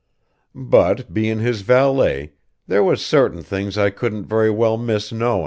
But, bein' his valet, there was certain things I couldn't very well miss knowin'.